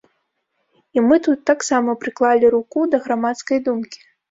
І мы тут таксама прыклалі руку да грамадскай думкі.